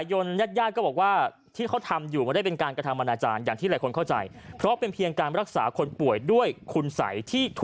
หัวก็ลูบไปเอามือกดเส้นกันไป